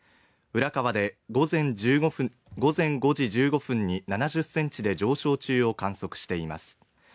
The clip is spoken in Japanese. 浦川で午前１５分、午前５時１５分に７０センチで観測しています。